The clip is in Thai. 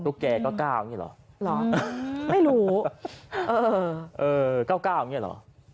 ตุ๊กแกเก้าเก้านี่หรอหรอไม่รู้เออเออเก้าเก้านี่หรอ